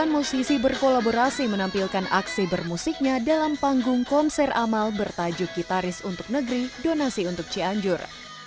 delapan musisi berkolaborasi menampilkan aksi bermusiknya dalam panggung konser amal bertajuk gitaris untuk negeri donasi untuk cianjur